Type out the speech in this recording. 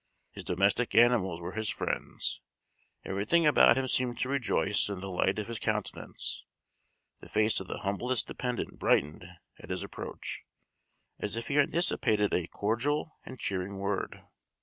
His domestic animals were his friends; everything about him seemed to rejoice in the light of his countenance; the face of the humblest dependent brightened at his approach, as if he anticipated a cordial and cheering word.